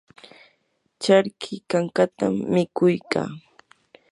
charki kankatam mikuy kaa.